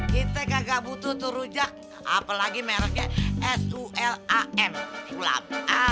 kita gak butuh tuh rujak apalagi mereknya s u l a m sulam